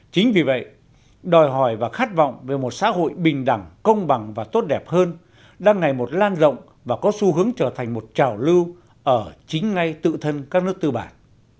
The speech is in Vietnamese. chính vì vậy đòi hỏi và khát vọng về một xã hội bình đẳng công bằng và tốt đẹp hơn đang ngày một lan rộng và có xu hướng trở thành một trào lưu ở chính ngay tự thân các nước tư bản